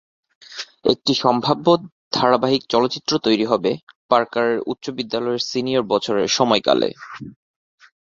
একটি সম্ভাব্য ধারাবাহিক চলচ্চিত্র তৈরি হবে পার্কারের উচ্চ বিদ্যালয়ের সিনিয়র বছরের সময়কালে।